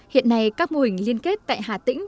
hiện nay các mô hình liên kết tại hà tĩnh